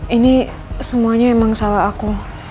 ini semuanya emang salah aku